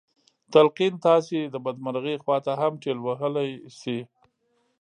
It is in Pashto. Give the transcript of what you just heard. تلقين تاسې د بدمرغۍ خواته هم ټېل وهلی شي.